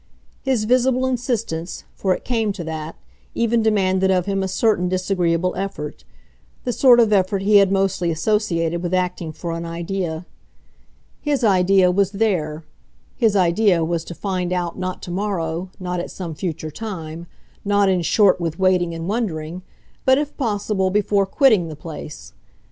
His visible insistence for it came to that even demanded of him a certain disagreeable effort, the sort of effort he had mostly associated with acting for an idea. His idea was there, his idea was to find out something, something he wanted much to know, and to find it out not tomorrow, not at some future time, not in short with waiting and wondering, but if possible before quitting the place.